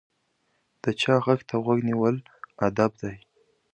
د چا غږ ته غوږ نیول ادب دی.